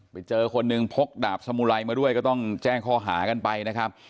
ไปเจอคนหนึ่งพกดาบสมุไรมาด้วยก็ต้องแจ้งข้อหากันไปนะครับ